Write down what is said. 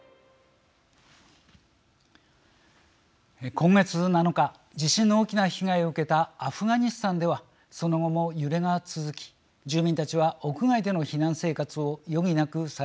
今月７日地震の大きな被害を受けたアフガニスタンではその後も揺れが続き住民たちは屋外での避難生活を余儀なくされています。